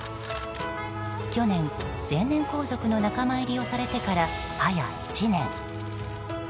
去年、成年皇族の仲間入りをされてから、はや１年。